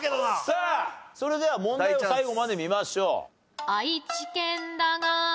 さあそれでは問題を最後まで見ましょう。